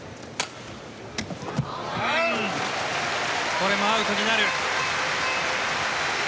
これもアウトになる。